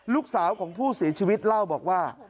ลูกสาวของผู้เสียชีวิตเล่าบอกว่า